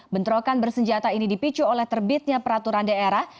bentrokan bersenjata ini dipicu oleh terbitnya peraturan daerah